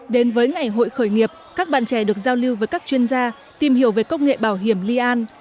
đến với ngày hội khởi nghiệp các bạn trẻ được giao lưu với các chuyên gia tìm hiểu về công nghệ bảo hiểm lian